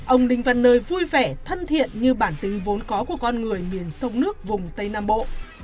ông đinh văn nơi vui vẻ thân thiện như bản tính vốn có của con người miền sông nước vùng tây nam bộ